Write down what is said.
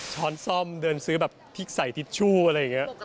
้อนซ่อมเดินซื้อแบบพริกใส่ทิชชู่อะไรอย่างนี้